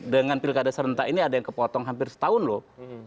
dengan pilkada serentak ini ada yang kepotong hampir setahun loh